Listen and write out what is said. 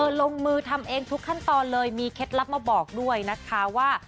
ลงมือทำเองทุกขั้นตอนเลยมีเคล็ดลับมาบอกด้วยนะคะว่า